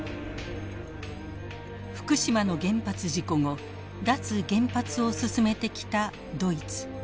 福島の原発事故後脱原発を進めてきたドイツ。